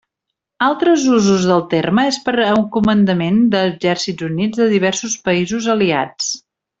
Altres usos del terme és per a un comandant d'exèrcits units de diversos països aliats.